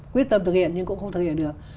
quyết tâm thực hiện nhưng cũng không thực hiện được